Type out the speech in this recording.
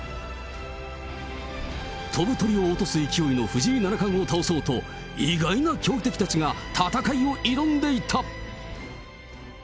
飛ぶ鳥を落とす勢いの藤井七冠を倒そうと、意外な強敵たちが戦いを挑んでいた。